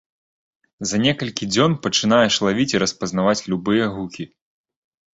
За некалькі дзён пачынаеш лавіць і распазнаваць любыя гукі.